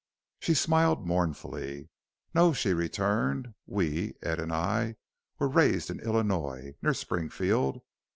She smiled mournfully. "No," she returned; "we Ed and I were raised in Illinois, near Springfield.